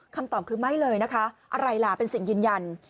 คำตอบคือไม่เลยนะคะอะไรล่ะเป็นสิ่งยืนยัน